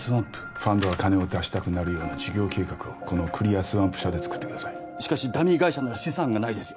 ファンドが金を出したくなるような事業計画をこのクリアスワンプ社でつくってくださいしかしダミー会社なら資産がないですよ